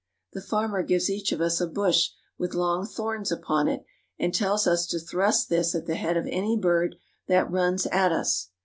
The farmer gives each of us a bush with long thorns upon it, and tells us to thrust this at the head of any bird that runs at us.